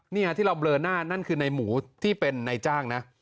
ที่เราเบลอหน้านั่นคือในหมูที่เป็นนายจ้างนะ